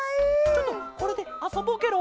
ちょっとこれであそぼうケロ。